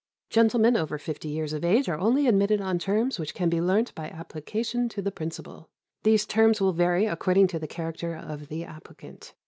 Gentlemen over fifty years of age are only admitted on terms which can be learnt by application to the Principal. These terms will vary according to the character of the applicant.